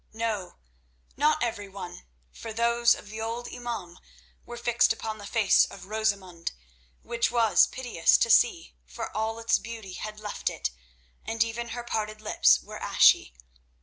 No; not every one, for those of the old imaum were fixed upon the face of Rosamund, which was piteous to see, for all its beauty had left it, and even her parted lips were ashy.